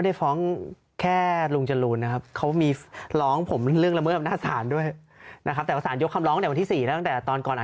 อะได้ค่ะยังไงขอบคุณทนายนิติธรวมตอนนี้นะคะ